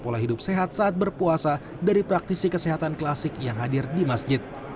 pola hidup sehat saat berpuasa dari praktisi kesehatan klasik yang hadir di masjid